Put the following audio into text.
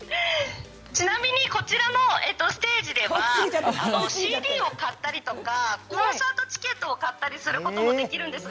ちなみに、こちらのステージではＣＤを買ったりとか、コンサートチケットを買ったりすることもできるんです。